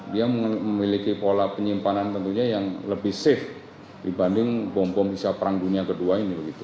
dia memiliki pola penyimpanan tentunya yang lebih safe dibanding bom bom sisa perang dunia kedua ini